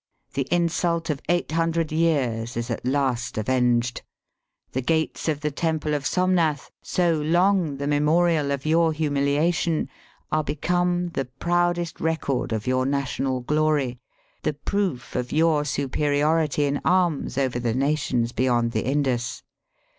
The insult of eight hundred years is at last avenged. The Gates of the Temple of Somnath, so long the memorial of your humiliation, are become the proudest record of your national glory, the proof of your superiority in arms over the nations beyond the Indus.